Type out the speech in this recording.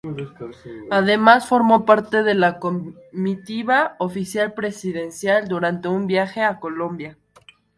Además, formó parte de la Comitiva Oficial Presidencial durante un viaje a Colombia.